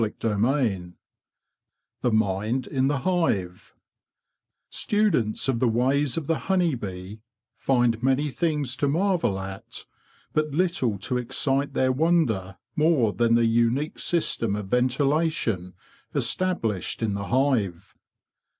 CHAPTER XIX THE MIND IN THE HIVE GTUDENTS of the ways of the honey bee find many things to marvel at, but little to excite their wonder more than the unique system of ventilation established in the hive.